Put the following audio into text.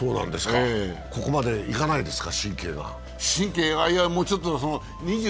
ここまで神経がいかないですか？